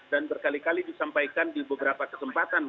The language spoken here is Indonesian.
dan berkali kali disampaikan di beberapa kesempatan